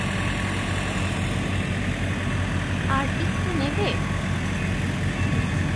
আর একটু নেবে?